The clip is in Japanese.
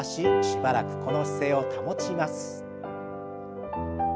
しばらくこの姿勢を保ちます。